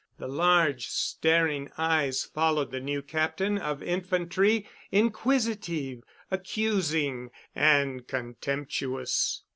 The large staring eyes followed the new Captain of infantry, inquisitive, accusing and contemptuous.